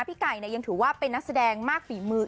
พี่ไก่ยังถือว่าเป็นนักแสดงมากฝีมือ